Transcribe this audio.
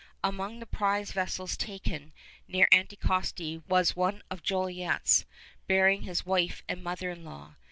Among the prize vessels taken near Anticosti was one of Jolliet's, bearing his wife and mother in law.